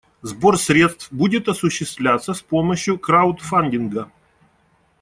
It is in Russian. Сбор средств будет осуществляться с помощью краудфандинга.